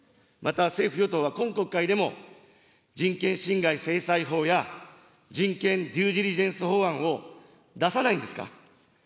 また、政府・与党は、今国会でも、人権侵害制裁法や、人権デューディリジェンス法案を出さないんですか。